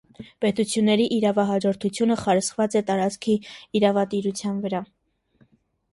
Պետությունների իրավահաջորդությունը խարսխված է տարածքի իրավատիրության վրա։